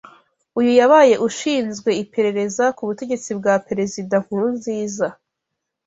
Uyu yabaye ushinzwe iperereza ku butegetsi bwa Perezida Nkurunziza